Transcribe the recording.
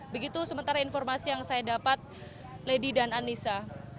begitu sementara informasi yang saya dapat lady dan anissa